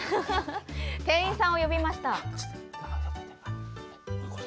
店員さんを呼びました。